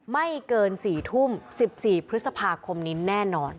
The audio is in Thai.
ไม่เกิน๔ทุ่ม๑๔พฤษภาคมนี้แน่นอน